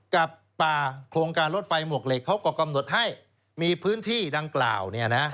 กับป่าโครงการรถไฟหมวกเหล็กเขาก็กำหนดให้มีพื้นที่ดังกล่าวเนี่ยนะ